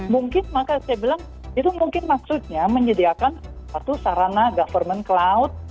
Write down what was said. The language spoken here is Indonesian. mungkin maka saya bilang itu mungkin maksudnya menyediakan satu sarana government cloud